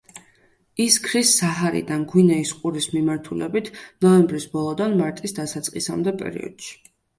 ის ქრის საჰარიდან გვინეის ყურის მიმართულებით ნოემბრის ბოლოდან მარტის დასაწყისამდე პერიოდში.